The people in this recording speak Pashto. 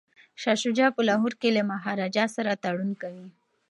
شاه شجاع په لاهور کي له مهاراجا سره تړون کوي.